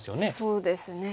そうですね。